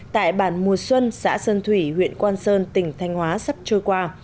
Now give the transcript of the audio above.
tại bản mùa xuân xã sơn thủy huyện quang sơn tỉnh thanh hóa sắp trôi qua